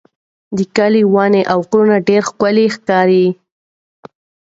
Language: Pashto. د کلي ونې او غرونه ډېر ښکلي ښکاري.